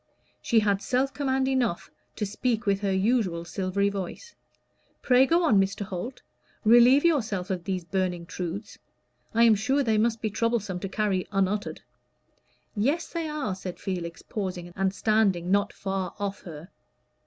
She had self command enough to speak with her usual silvery voice. "Pray go on, Mr. Holt. Relieve yourself of these burning truths. I am sure they must be troublesome to carry unuttered." "Yes, they are," said Felix, pausing, and standing not far off her.